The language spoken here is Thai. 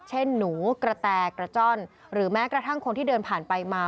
เช่นหนูกระแตกระจ้อนหรือแม้กระทั่งคนที่เดินผ่านไปมา